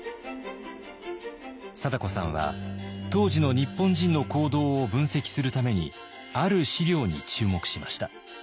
貞子さんは当時の日本人の行動を分析するためにある資料に注目しました。